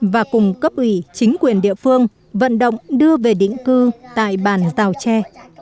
và cùng cấp ủy chính quyền địa phương vận động đưa về định cư tại bản giao tre